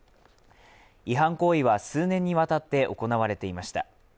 違反行為は数年にわたって行われていました。